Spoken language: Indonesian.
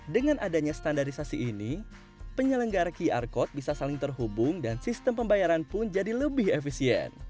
dengan adanya standarisasi ini penyelenggara qr code bisa saling terhubung dan sistem pembayaran pun jadi lebih efisien